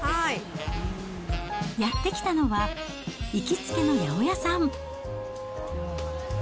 やって来たのは、行きつけの八百屋さん。